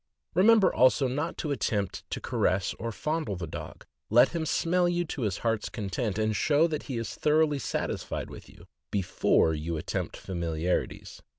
Remember, also, not to attempt to caress or fondle the dog; let him smell you to his heart's content, and show that he is thoroughly satisfied with you, before you attempt familiarities.